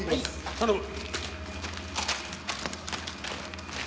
頼む。